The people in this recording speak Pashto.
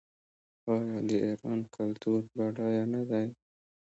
آیا د ایران کلتور بډایه نه دی؟